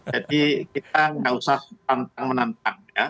jadi kita nggak usah menantang menantang ya